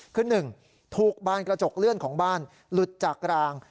คือ๑ถูกบานกระจกเลื่อนของบ้านหลุดจากราง